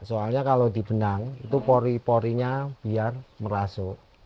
soalnya kalau di benang itu pori porinya biar merasuk